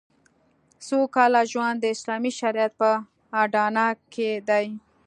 سوکاله ژوند د اسلامي شریعت په اډانه کې دی